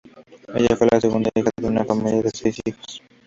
Ella fue la segunda hija de una familia de seis hijos.